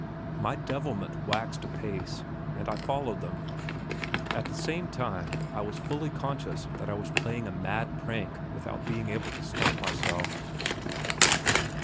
My devilment waxed apace, and I followed them. At the same time, I was fully conscious that I was playing a mad prank without being able to stop myself.